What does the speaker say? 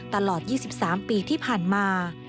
ตลอด๒๓ปีที่ผ่านมา